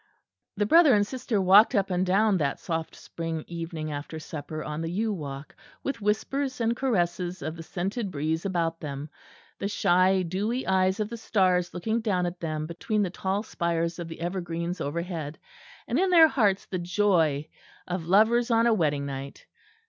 The brother and sister walked up and down that soft spring evening after supper, on the yew walk; with the whispers and caresses of the scented breeze about them, the shy dewy eyes of the stars looking down at them between the tall spires of the evergreens overhead; and in their hearts the joy of lovers on a wedding night.